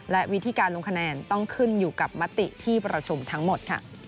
และวิธีการลงคะแนนต้องขึ้นอยู่กับมติที่ประชุมทั้งหมด